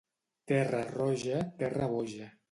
Terra roja, terra boja.